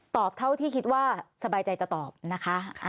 เท่าที่คิดว่าสบายใจจะตอบนะคะ